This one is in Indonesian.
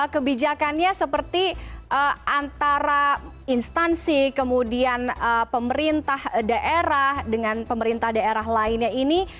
kebijakannya seperti antara instansi kemudian pemerintah daerah dengan pemerintah daerah lainnya ini